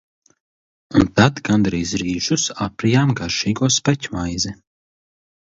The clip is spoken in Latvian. Un tad gandrīz rīšus aprijām garšīgo speķmaizi.